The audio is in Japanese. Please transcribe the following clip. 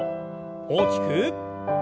大きく。